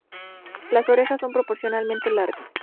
Las orejas son proporcionalmente largas.